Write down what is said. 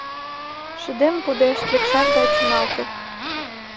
Шыдем пудешт лекшаш гай чымалте.